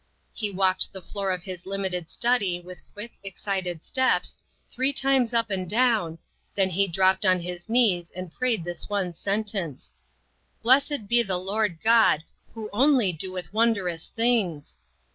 He walked the floor of his limited study with quick, excited steps, three times up and down, then he dropped on his knees and prayed this one sentence, " Blessed be the Lord God, who only doeth wondrous things